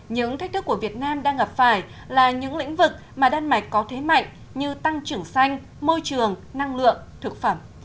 những thách thức của việt nam đang gặp phải là những lĩnh vực mà đan mạch có thế mạnh như tăng trưởng xanh môi trường năng lượng thực phẩm